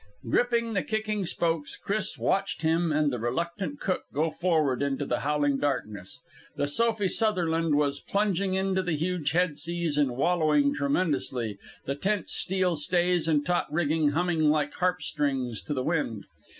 Gripping the kicking spokes, Chris watched him and the reluctant cook go forward into the howling darkness. The Sophie Sutherland was plunging into the huge head seas and wallowing tremendously, the tense steel stays and taut rigging humming like harp strings to the wind.